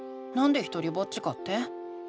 なんでひとりぼっちかって？